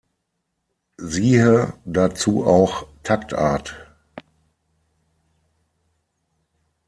Siehe dazu auch Taktart.